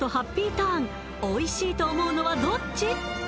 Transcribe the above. ターンおいしいと思うのはどっち？